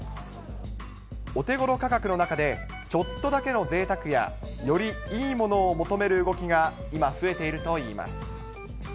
お手ごろ価格の中で、ちょっとだけのぜいたくや、よりいいものを求める動きが今、増えているといいます。